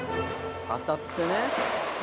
「当たってね」